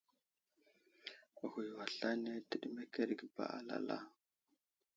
Ghwiyo aslane təɗemmakerge ba alala.